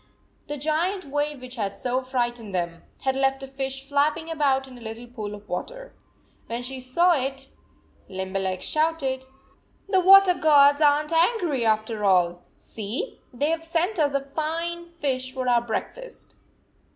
The giant wave which had so frightened them, had left a fish flapping about in a little pool of water. When she saw it, Limberleg shouted: "The water gods aren t angry, after all ! See, they have sent us a fine fish for our breakfast!